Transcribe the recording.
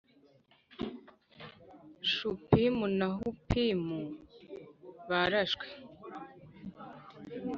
Shupimu na Hupimu barashwe